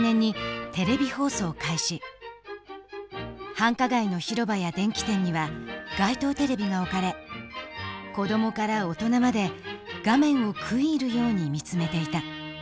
繁華街の広場や電気店には街頭テレビが置かれ子供から大人まで画面を食い入るように見つめていた。